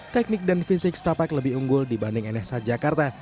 teknik dan fisik setapak lebih unggul dibanding nsh jakarta